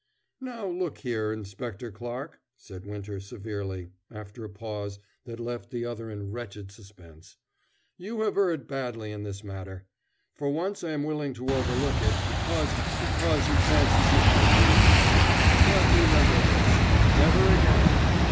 "Now, look here, Inspector Clarke," said Winter severely, after a pause that left the other in wretched suspense, "you have erred badly in this matter. For once, I am willing to overlook it because because you fancied you had a grievance. But, remember this never again!